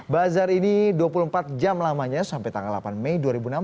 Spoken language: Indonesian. bazar ini dua puluh empat jam lamanya sampai tanggal delapan mei dua ribu enam belas